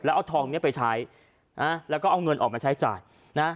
เอาทองเนี้ยไปใช้นะแล้วก็เอาเงินออกมาใช้จ่ายนะ